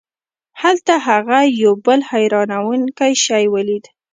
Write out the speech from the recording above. هلته هغه یو بل حیرانوونکی شی ولید.